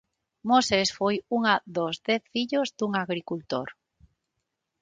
Moses foi unha dos dez fillos dun agricultor.